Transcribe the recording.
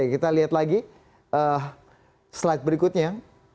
kita lihat lagi slide berikutnya